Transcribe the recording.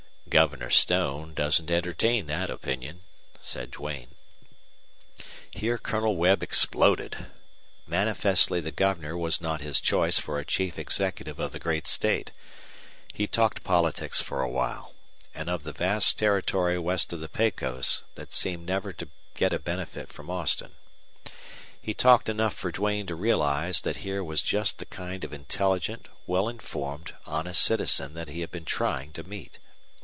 "Governor Stone doesn't entertain that opinion," said Duane. Here Colonel Webb exploded. Manifestly the governor was not his choice for a chief executive of the great state. He talked politics for a while, and of the vast territory west of the Pecos that seemed never to get a benefit from Austin. He talked enough for Duane to realize that here was just the kind of intelligent, well informed, honest citizen that he had been trying to meet.